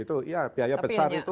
itu ya biaya besar itu